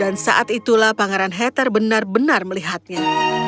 dan saat itulah pangeran heather benar benar melihatnya